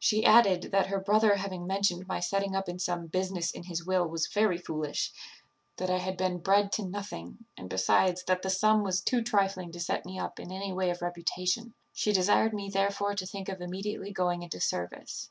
She added, that her brother having mentioned my setting up in some business in his will was very foolish; that I had been bred to nothing; and, besides, that the sum was too trifling to set me up in any way of reputation; she desired me therefore to think of immediately going into service.